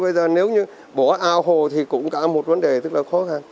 bây giờ nếu như bỏ ao hồ thì cũng cả một vấn đề rất là khó khăn